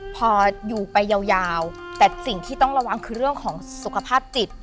พออยู่ไปยาวแต่สิ่งที่ต้องระวังคือเรื่องของสุขภาพจิต